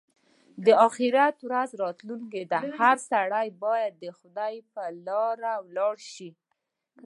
د اخيرت ورځ راتلونکې ده؛ هر سړی باید د خدای پر لاره ولاړ شي.